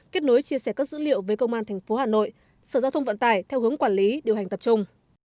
kết nối chia sẻ các dữ liệu với công an tp hà nội sở giao thông vận tải theo hướng quản lý điều hành tập trung